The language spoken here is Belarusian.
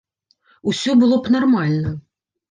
Усё было б нармальна.